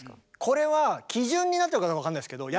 これは基準になってるかどうかは分かんないですけど